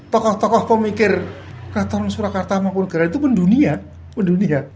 tokoh tokoh pemikir keraton surakarta mangkunegara itu mendunia